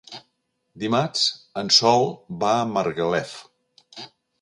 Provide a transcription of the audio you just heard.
Dimarts en Sol va a Margalef.